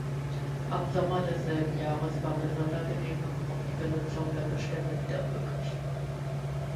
Ab Sommer desselben Jahres war mit Sondergenehmigung auch die Benutzung der Bestände wieder möglich.